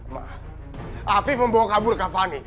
ma afif membawa kabur kak fani